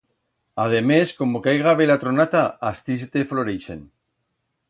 Ademés como caiga bela tronata astí se te floreixen.